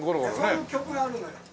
そういう曲があるのよ。